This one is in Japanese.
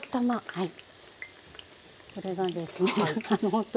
はい。